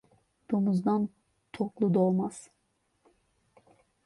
Domuzdan toklu doğmaz.